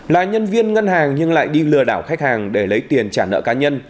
là nhân viên ngân hàng nhưng lại đi lừa đảo khách hàng để lấy tiền trả nợ cá nhân